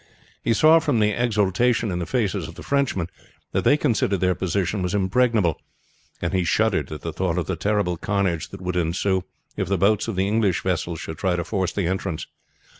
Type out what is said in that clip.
He saw from the exultation in the faces of the Frenchmen that they considered their position was impregnable, and he shuddered at the thought of the terrible carnage that would ensue if the boats of the English vessels should try to force an entrance.